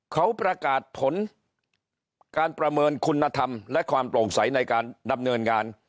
เขาประกาศผลการประเมินคุณธรรมและความโปร่งใสในการดำเนินงาน